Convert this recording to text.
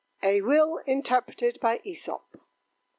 A WILL INTERPRETED BY ÆSOP.